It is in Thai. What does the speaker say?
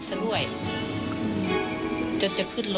สวัสดีครับ